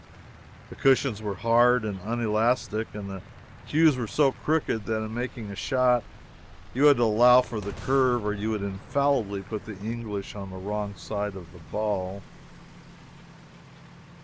The cushions were hard and unelastic, and the cues were so crooked that in making a shot you had to allow for the curve or you would infallibly put the "English" on the wrong side of the ball.